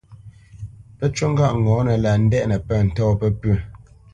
Pə́ ncú ŋgâʼ ŋɔ̌nə ndɛʼnə́ pə̂ ntɔ̂ pəpʉ̂.